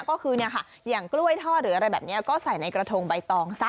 ก็คืออย่างกล้วยทอดหรืออะไรแบบนี้ก็ใส่ในกระทงใบตองซะ